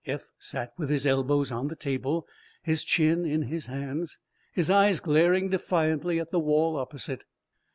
Eph sat with his elbows on the table, his chin in his hands, his eyes glaring defiantly at the wall opposite.